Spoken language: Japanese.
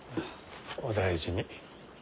お大事に。